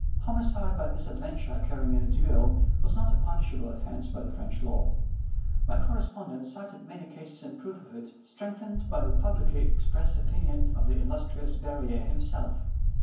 Homicide by misadventure, occurring in a duel, was not a punishable offense by the French law. My correspondent cited many cases in proof of it, strengthened by the publicly expressed opinion of the illustrious Berryer himself.